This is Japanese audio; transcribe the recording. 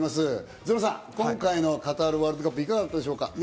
ゾノさん、今回のカタールワールドカップ、いかがでしたでしょうか？